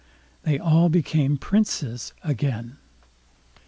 they all became Princes again.